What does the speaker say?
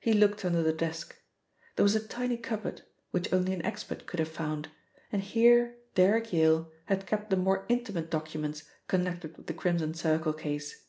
He looked under the desk. There was a tiny cupboard, which only an expert could have found, and here Derrick Yale had kept the more intimate documents connected with the Crimson Circle case.